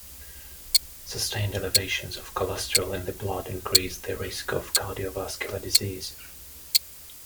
Sustained elevations of cholesterol in the blood increase the risk of cardiovascular disease.